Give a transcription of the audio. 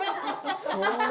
そんな。